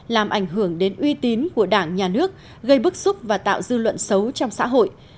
làm ảnh hưởng đến uy tín của đảng nhà nước gây bức xúc và tạo dư luận xấu trong xã hội